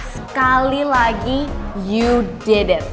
sekali lagi you did it